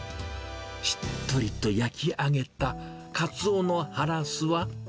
しっとりと焼き上げたカツオのハラスは。